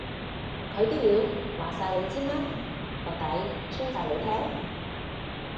佢啲料話晒你知咩？個底穿晒你聽？